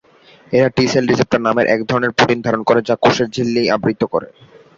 এরা T cell receptor নামের একধরনের প্রোটিন ধারণ করে যা কোষের ঝিল্লি আবৃত করে।